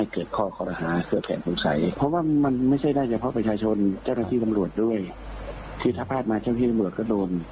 คือถ้าพลาดมาเจ้าหน้าที่สำรวจก็โดนใช่ไหม